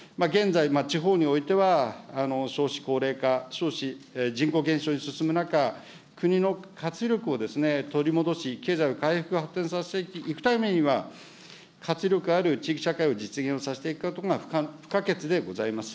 現在、地方においては、少子高齢化、少子、人口減少に進む中、国の活力を取り戻し、経済を回復、発展させていくためには、活力ある地域社会を実現させていくことが不可欠でございます。